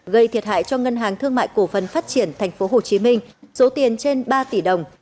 gây thiệt hại cho ngân hàng thương mại cổ phần phát triển tp hcm số tiền trên ba tỷ đồng